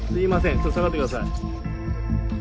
ちょっと下がってください。